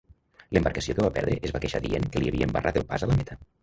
L'embarcació que va perdre es va queixar dient que li havien barrat el pas a la meta.